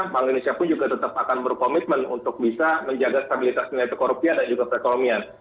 bank indonesia pun juga tetap akan berkomitmen untuk bisa menjaga stabilitas nilai tukar rupiah dan juga perekonomian